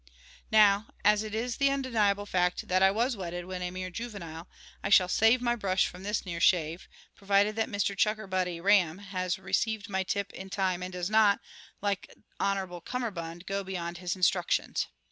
Now as it is the undeniable fact that I was wedded when a mere juvenile, I shall save my brush from this near shave provided that Mr CHUCKERBUTTY RAM has received my tip in time and does not, like Hon'ble CUMMERBUND, go beyond his instructions.